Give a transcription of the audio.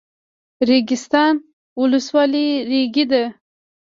ریګستان ولسوالۍ ریګي ده؟